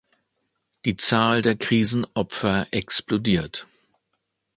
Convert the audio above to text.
Die Zahl der Krisenopfer explodiert.